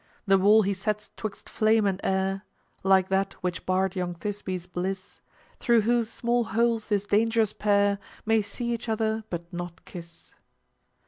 The wall he sets 'twixt Flame and Air, (Like that which barred young Thisbe's bliss,) Through whose small holes this dangerous pair May see each other, but not kiss."